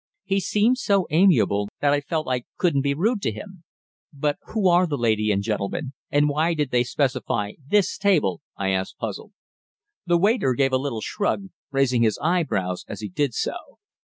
He seemed so amiable that I felt I couldn't be rude to him. "But who are the lady and gentleman? And why did they specify this table?" I asked, puzzled. The waiter gave a little shrug, raising his eyebrows as he did so.